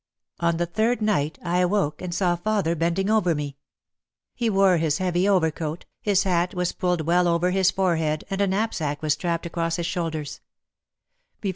On the third night I awoke and saw father bending over me. He wore his heavy overcoat, his hat was pulled well over his forehead and a knapsack was strapped across his shoulders.